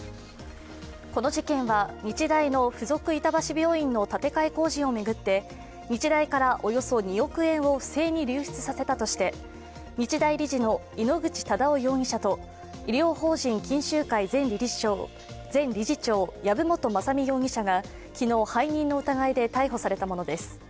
この事件は日大の附属板橋病院の建て替え工事を巡って日大からおよそ２億円を不正に流出させたとして日大理事の井ノ口忠男容疑者と医療法人、錦秀会前理事長、籔本雅巳容疑者がや昨日、背任の疑いで逮捕されたものです。